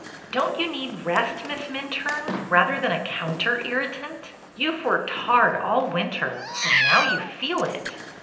"Don't you need rest. Miss Minturne, rather than a counter irritant ? You've worked hard all winter, and now you feel it."